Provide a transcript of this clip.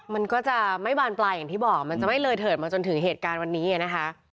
มันก็จะไม่บานปลายอย่างที่บอกมันจะไม่เลยเถิดมาจนถึงเหตุการณ์วันนี้นะคะ